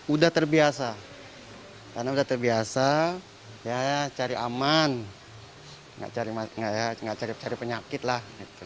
udah terbiasa karena udah terbiasa cari aman nggak cari penyakit lah